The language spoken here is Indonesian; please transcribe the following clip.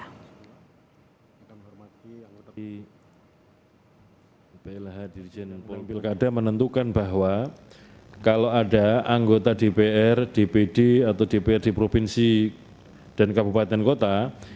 kepala daerah di pilkada menentukan bahwa kalau ada anggota dpr dpd atau dpr di provinsi dan kabupaten kota